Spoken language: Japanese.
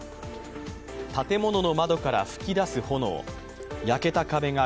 建物の窓から噴き出す炎。